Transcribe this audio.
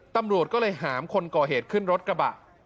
ตำรวจก็เลยหามคนก่อเหตุขึ้นรถกระบะ